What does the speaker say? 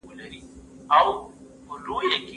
زه هره ورځ سينه سپين کوم!؟